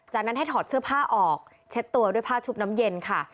จากนั้นให้ถอดเสื้อผ้าออกเช็ดตัวด้วยผ้าชุบน้ำเย็นค่ะ